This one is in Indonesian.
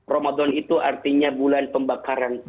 ramadan itu artinya bulan pembakaran